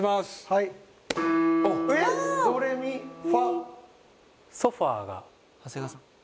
はいドレミファソファーが長谷川さん